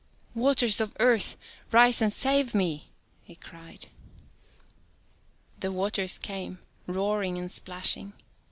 Waters of Earth, rise and save me," he cried. 84 The waters came, roaring and splashing.